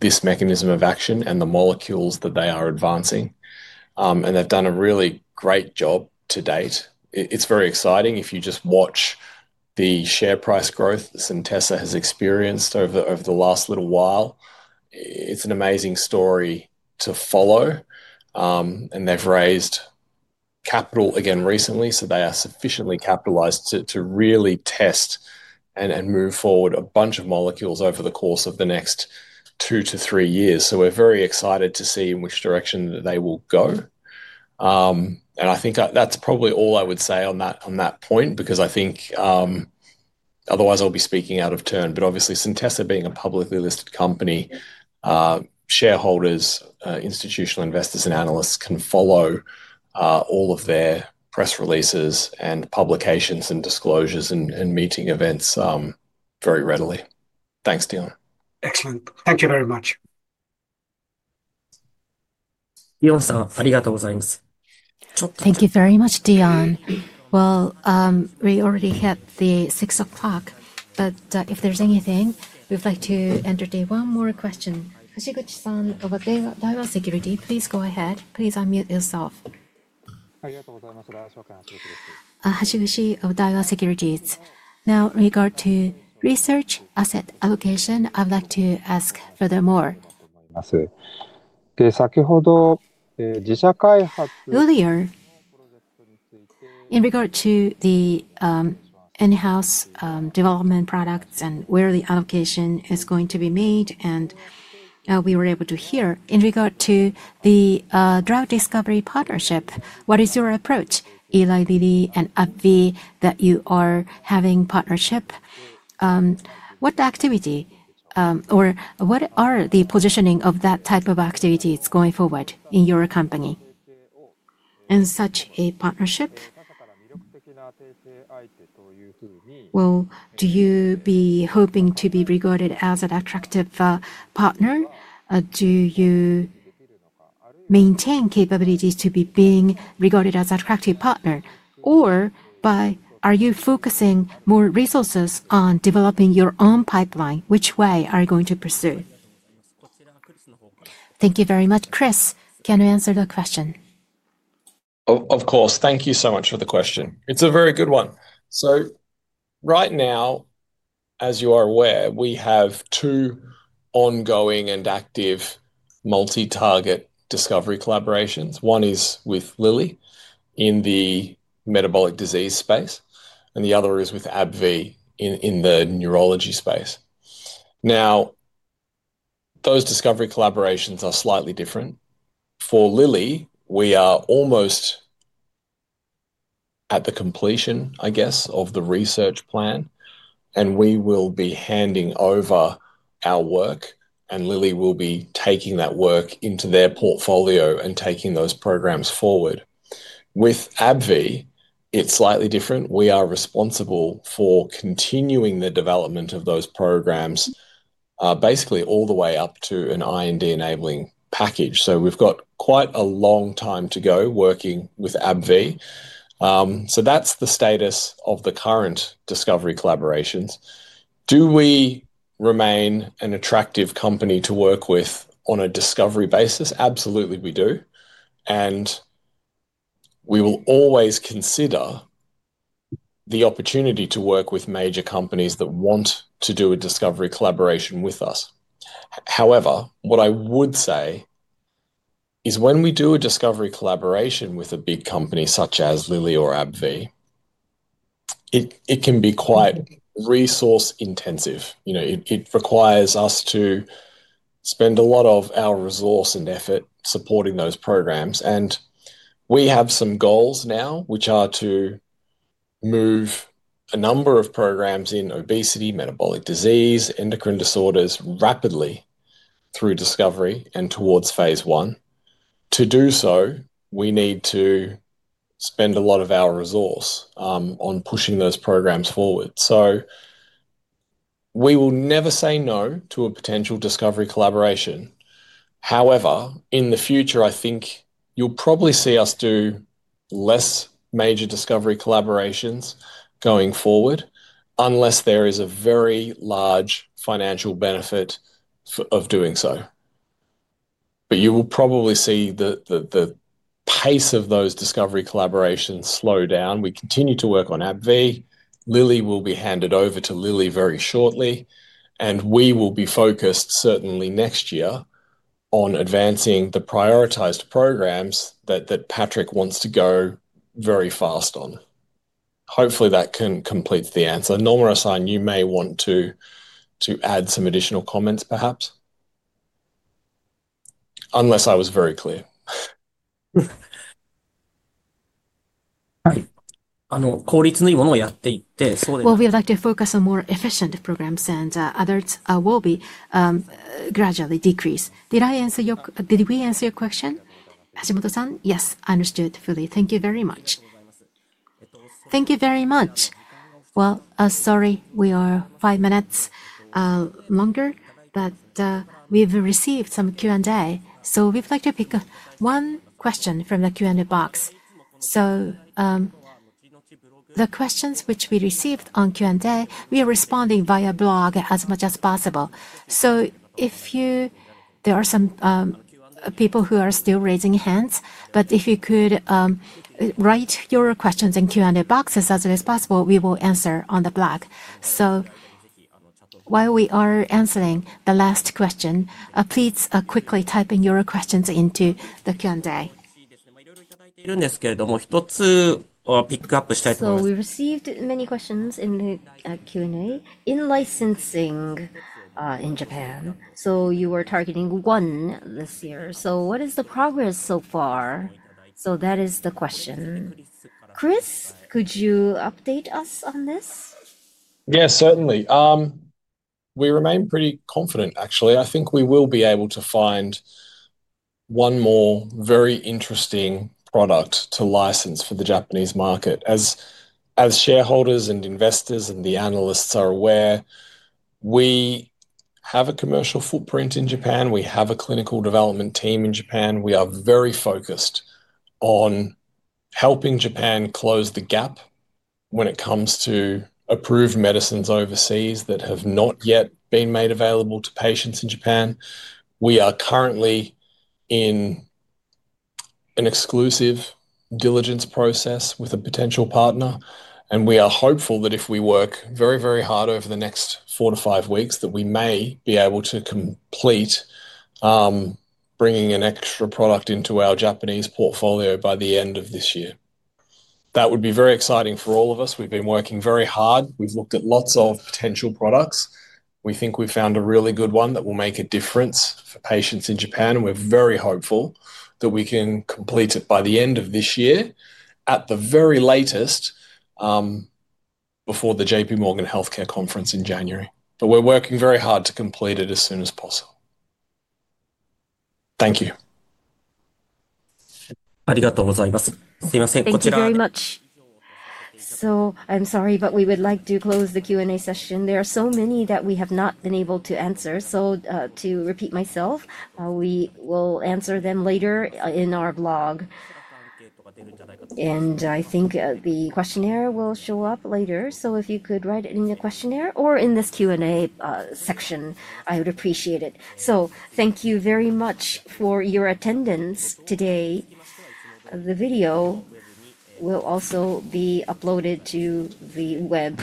this mechanism of action and the molecules that they are advancing. They have done a really great job to date. It's very exciting. If you just watch the share price growth Centessa has experienced over the last little while, it's an amazing story to follow. They've raised capital again recently, so they are sufficiently capitalized to really test and move forward a bunch of molecules over the course of the next two to three years. We are very excited to see in which direction they will go. I think that's probably all I would say on that point because I think otherwise I'll be speaking out of turn. Obviously, Centessa being a publicly listed company, shareholders, institutional investors, and analysts can follow all of their press releases and publications and disclosures and meeting events very readily. Thanks, Dion. Excellent. Thank you very much. ありがとうございます。Thank you very much, Dion. We already hit the six o'clock, but if there's anything, we'd like to enter one more question. Hashiguchi-san of Daiwa Securities, please go ahead. Please unmute yourself. ありがとうございます。ハシグチ・ダイワ・セキュリティーズ。In regard to research asset allocation, I'd like to ask furthermore. Earlier, in regard to the in-house development products and where the allocation is going to be made, and we were able to hear in regard to the drug discovery partnership, what is your approach, Eli Lilly and AbbVie, that you are having partnership? What activity or what are the positioning of that type of activities going forward in your company? Such a partnership, do you be hoping to be regarded as an attractive partner? Do you maintain capabilities to be being regarded as an attractive partner? Or are you focusing more resources on developing your own pipeline? Which way are you going to pursue? Thank you very much. Chris, can you answer the question? Of course. Thank you so much for the question. It's a very good one. Right now, as you are aware, we have two ongoing and active multi-target discovery collaborations. One is with Lilly in the metabolic disease space, and the other is with AbbVie in the neurology space. Now, those discovery collaborations are slightly different. For Lilly, we are almost at the completion, I guess, of the research plan, and we will be handing over our work, and Lilly will be taking that work into their portfolio and taking those programs forward. With AbbVie, it is slightly different. We are responsible for continuing the development of those programs basically all the way up to an IND-enabling package. We have quite a long time to go working with AbbVie. That is the status of the current discovery collaborations. Do we remain an attractive company to work with on a discovery basis? Absolutely, we do. We will always consider the opportunity to work with major companies that want to do a discovery collaboration with us. However, what I would say is when we do a discovery collaboration with a big company such as Lilly or AbbVie, it can be quite resource-intensive. It requires us to spend a lot of our resource and effort supporting those programs. We have some goals now, which are to move a number of programs in obesity, metabolic disease, endocrine disorders rapidly through discovery and towards phase I. To do so, we need to spend a lot of our resource on pushing those programs forward. We will never say no to a potential discovery collaboration. However, in the future, I think you'll probably see us do less major discovery collaborations going forward unless there is a very large financial benefit of doing so. You will probably see the pace of those discovery collaborations slow down. We continue to work on AbbVie. Lilly will be handed over to Lilly very shortly, and we will be focused certainly next year on advancing the prioritized programs that Patrik wants to go very fast on. Hopefully, that completes the answer. Nomura-san, you may want to add some additional comments, perhaps, unless I was very clear. 効率のいいものをやっていって。We would like to focus on more efficient programs, and others will gradually decrease. Did we answer your question, Hashiguchi-san? Yes, understood fully. Thank you very much. Thank you very much. Sorry, we are five minutes longer, but we've received some Q&A, so we'd like to pick one question from the Q&A box. The questions which we received on Q&A, we are responding via blog as much as possible. If there are some people who are still raising hands, if you could write your questions in Q&A boxes as soon as possible, we will answer on the blog. While we are answering the last question, please quickly type in your questions into the Q&A. 一つピックアップしたいと思います。We received many questions in the Q&A in licensing in Japan. You were targeting one this year. What is the progress so far? That is the question. Chris, could you update us on this? Yes, certainly. We remain pretty confident, actually. I think we will be able to find one more very interesting product to license for the Japanese market. As shareholders and investors and the analysts are aware, we have a commercial footprint in Japan. We have a clinical development team in Japan. We are very focused on helping Japan close the gap when it comes to approved medicines overseas that have not yet been made available to patients in Japan. We are currently in an exclusive diligence process with a potential partner, and we are hopeful that if we work very, very hard over the next four to five weeks, we may be able to complete bringing an extra product into our Japanese portfolio by the end of this year. That would be very exciting for all of us. We've been working very hard. We've looked at lots of potential products. We think we've found a really good one that will make a difference for patients in Japan, and we're very hopeful that we can complete it by the end of this year, at the very latest, before the JP Morgan Healthcare Conference in January. But we are working very hard to complete it as soon as possible. Thank you. ありがとうございます。すいません、こちら。Thank you very much. I am sorry, but we would like to close the Q&A session. There are so many that we have not been able to answer. To repeat myself, we will answer them later in our blog. I think the questionnaire will show up later. If you could write it in the questionnaire or in this Q&A section, I would appreciate it. Thank you very much for your attendance today. The video will also be uploaded to the web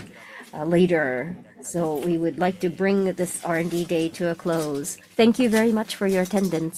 later. We would like to bring this R&D Day to a close. Thank you very much for your attendance.